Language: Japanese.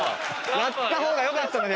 やった方が良かったんだね。